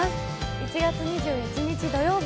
１月２１日土曜日